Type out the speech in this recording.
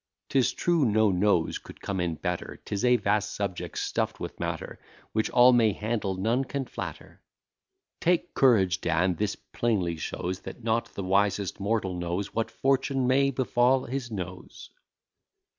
'Tis true, no nose could come in better; 'Tis a vast subject stuff'd with matter, Which all may handle, none can flatter. Take courage, Dan; this plainly shows, That not the wisest mortal knows What fortune may befall his nose.